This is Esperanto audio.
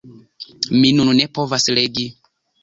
Mi nun ne povas legi.